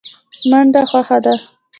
منډه خوښه ده.